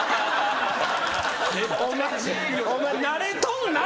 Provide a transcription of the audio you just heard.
お前慣れとんな。